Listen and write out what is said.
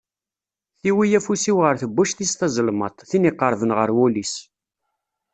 Tiwi afus-iw ɣer tebbuct-is tazelmaḍt, tin iqerben ɣer wul-is.